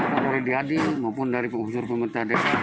maupun dari diadi maupun dari pengusur pemerintah daerah